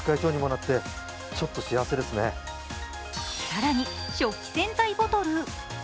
更に食器洗剤ボトル。